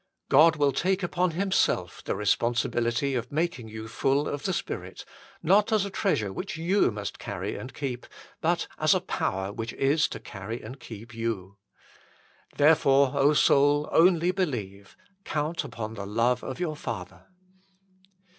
God will take upon Himself the responsibility of making you full of the Spirit, not as a treasure which you must carry and keep, but as a power which is to carry and keep you. Therefore, Soul, " only believe ": count upon THE LOVE OF YOUE FATHER.